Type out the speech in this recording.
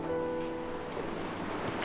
aku udahaptif lebih jauh